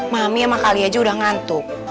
mami sama kali aja udah ngantuk